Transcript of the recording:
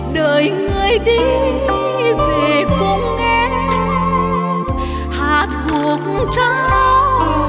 đợi người đi về cùng em hát hùng trao tiếng